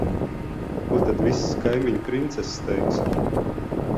Ko tad visas kaimiņu princeses teiks?